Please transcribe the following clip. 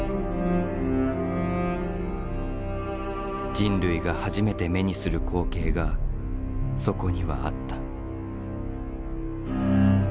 人類が初めて目にする光景がそこにはあった。